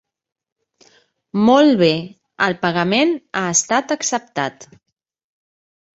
Molt bé, el pagament ha estat acceptat.